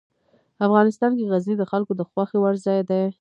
افغانستان کې غزني د خلکو د خوښې وړ ځای دی.